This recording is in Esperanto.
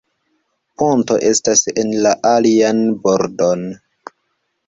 Ponto estas en la alian bordon.